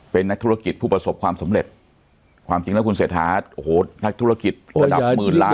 เป็นนักธุรกิจผู้ประสบความสำเร็จความจริงแล้วคุณเศรษฐาโอ้โหนักธุรกิจระดับหมื่นล้าน